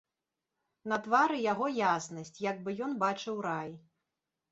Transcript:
На твары яго яснасць, як бы ён бачыў рай.